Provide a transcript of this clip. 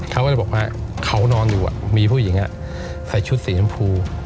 เขาก็เลยบอกว่าเขานอนอยู่มีผู้หญิงใส่ชุดสีชมพู